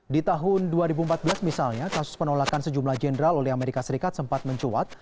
di tahun dua ribu empat belas misalnya kasus penolakan sejumlah jenderal oleh amerika serikat sempat mencuat